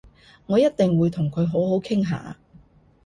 我一定會同佢好好傾下